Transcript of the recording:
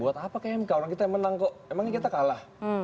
buat apa ke mk orang kita yang menang kok emangnya kita kalah